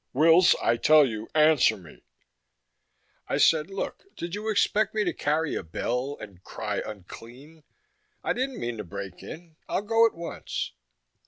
"Wills! I tell you, answer me!" I said, "Look, did you expect me to carry a bell and cry unclean? I didn't mean to break in. I'll go at once...."